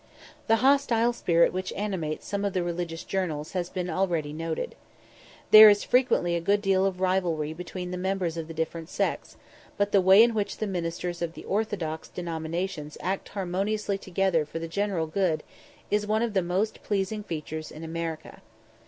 The hostile spirit which animates some of the religious journals has been already noticed. There is frequently a good deal of rivalry between the members of the different sects; but the way in which the ministers of the orthodox denominations act harmoniously together for the general good is one of the most pleasing features in America.